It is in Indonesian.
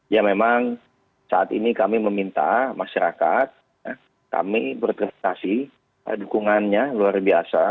ya memang saat ini kami meminta masyarakat kami berterima kasih dukungannya luar biasa